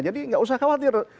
jadi nggak usah khawatir